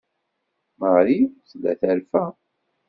Marie tella terfa.